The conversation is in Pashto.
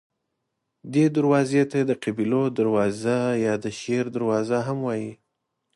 دې دروازې ته د قبیلو دروازه یا د شیر دروازه هم وایي.